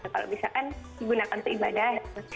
kalau bisa kan digunakan untuk ibadah